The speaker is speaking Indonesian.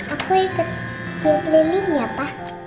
aku ikut tim lilinnya pak